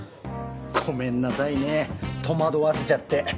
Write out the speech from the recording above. ごめんなさいね戸惑わせちゃって。